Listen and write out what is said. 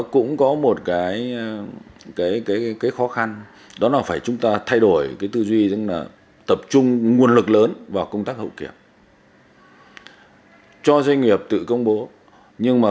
cho doanh nghiệp tự công bố nhưng mà